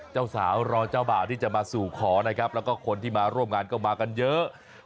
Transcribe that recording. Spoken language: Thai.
เจ้าสาวรอเจ้าบ่าวที่จะมาสู่ขอนะครับแล้วก็คนที่มาร่วมงานก็มากันเยอะ